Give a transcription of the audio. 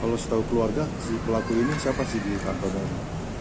kalau setahu keluarga si pelaku ini siapa sih di kantornya